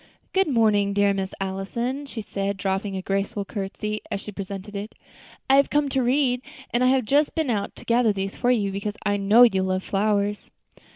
"Good morning, dear Miss Allison," she said, dropping a graceful courtesy as she presented it. "I have come to read, and I have just been out to gather these for you, because I know you love flowers."